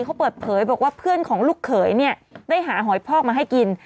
เขาเปิดเผยบอกว่าเพื่อนของลูกเขยเนี่ยได้หาหอยพอกมาให้กิน